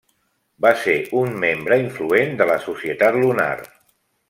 Va ser un membre influent de la Societat Lunar.